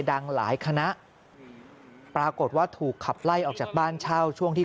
ดังหลายคณะปรากฏว่าถูกขับไล่ออกจากบ้านเช่าช่วงที่